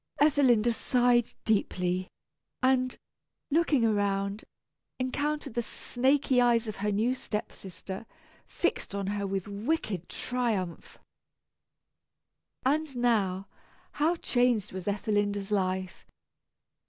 Ethelinda sighed deeply, and, looking around, encountered the snaky eyes of her new step sister, fixed on her with wicked triumph. And now, how changed was Ethelinda's life.